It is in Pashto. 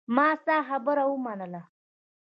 ما ستا خبره ومنله.